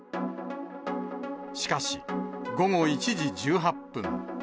しかし、午後１時１８分。